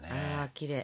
きれい。